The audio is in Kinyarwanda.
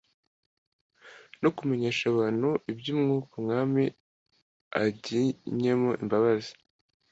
no kumenyesha abantu iby'umwaka Umwami aginyemo imbabazi.»